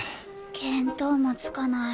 見当もつかない。